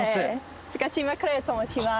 塚島クレアと申します。